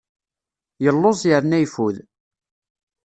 Yelluẓ yerna yeffud.